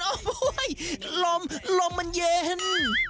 โอ้โหลมลมมันเย็น